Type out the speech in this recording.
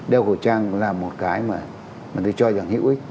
đeo khẩu trang cũng là một cái mà tôi cho rằng hữu ích